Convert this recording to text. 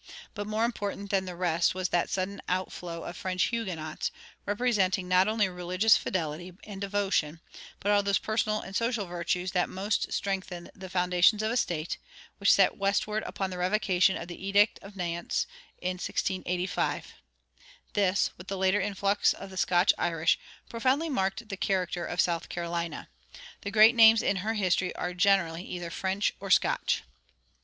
But more important than the rest was that sudden outflow of French Huguenots, representing not only religious fidelity and devotion, but all those personal and social virtues that most strengthen the foundations of a state, which set westward upon the revocation of the Edict of Nantes in 1685. This, with the later influx of the Scotch Irish, profoundly marked the character of South Carolina. The great names in her history are generally either French or Scotch.